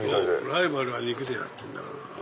ライバルは肉でやってんだから。